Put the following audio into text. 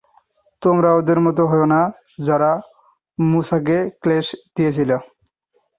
তোমরা ওদের মত হয়ো না, যারা মূসাকে ক্লেশ দিয়েছিল।